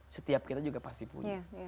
setiap kita juga pasti punya